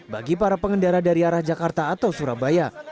bagi para pengendara dari arah jakarta atau surabaya